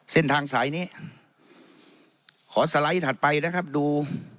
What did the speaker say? เส้นทางสายนี้ขอสไลด์ถัดไปนะครับดู